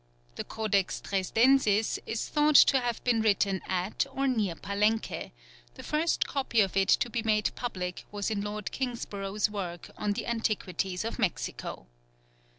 The Codex Dresdensis is thought to have been written at or near Palenque; the first copy of it to be made public was in Lord Kingsborough's work on the antiquities of Mexico.